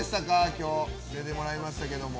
今日、出てもらいましたけど。